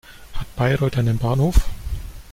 Hat Bayreuth einen Bahnhof?